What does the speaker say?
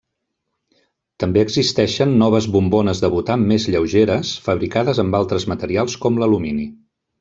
També existeixen noves bombones de butà més lleugeres, fabricades amb altres materials com l'alumini.